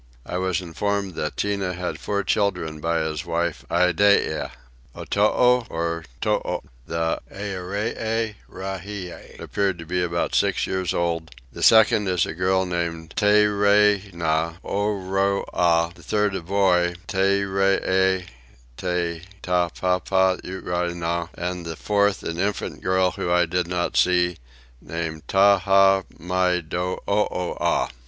I was informed that Tinah had four children by his wife Iddeah. Otoo, or Too, the Earee Rahie, appeared to be about six years old: the second is a girl named Terrenah Oroah: the third a boy, Terreetappanooai; and a fourth, an infant girl, whom I did not see, named Tahamydooah.